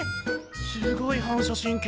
すごい反射神経。